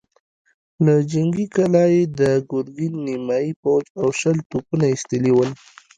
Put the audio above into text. له جنګي کلا يې د ګرګين نيمايي پوځ او شل توپونه ايستلي ول.